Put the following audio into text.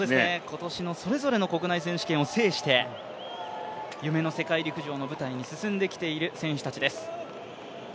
今年のそれぞれの国内選手権を制して、夢の世界陸上の舞台に進んできている選手たちです。